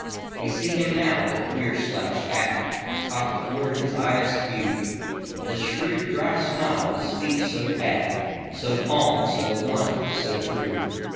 We see him now—the queer slouched hat, Cocked o'er his eye askew; The shrewd, dry smile; the speech so pat, So calm, so blunt, so true.